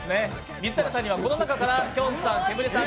水谷さんにはこの中からきょんさんケムリさん